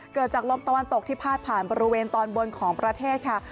เกิดจากลมตะวันตกที่พาดผ่านบริเวณตอนบนของประเทศค่ะ